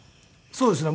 そうですね。